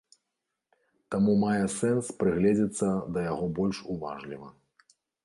Таму мае сэнс прыгледзецца да яго больш уважліва.